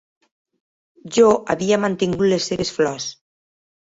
Jo havia mantingut les seves flors.